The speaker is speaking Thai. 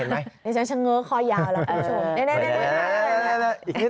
ดิฉันเฉิงเคาะยาวแล้วคุณผู้ชม